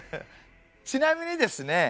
ちなみにですね